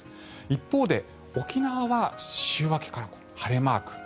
一方で、沖縄は週明けから晴れマーク。